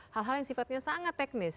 hal hal yang sifatnya sangat teknis